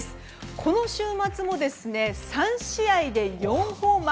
この週末も３試合で４ホーマー。